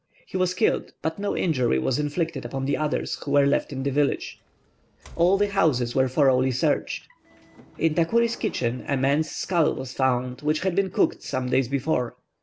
He was killed, but no injury was inflicted upon the others who were left in the village. All the houses were thoroughly searched. In Tacouri's kitchen a man's skull was found which had been cooked some days before.